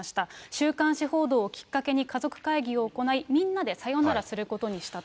週刊誌報道をきっかけに、家族会議を行い、みんなでさよならすることにしたと。